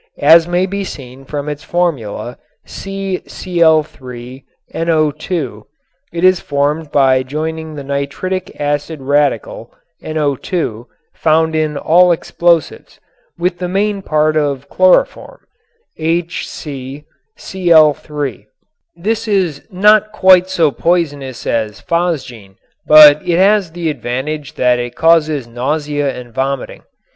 As may be seen from its formula, CCl_NO_, it is formed by joining the nitric acid radical (NO_), found in all explosives, with the main part of chloroform (HCCl_). This is not quite so poisonous as phosgene, but it has the advantage that it causes nausea and vomiting.